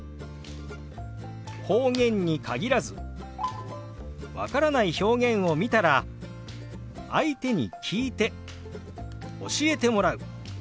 方言に限らず分からない表現を見たら相手に聞いて教えてもらう。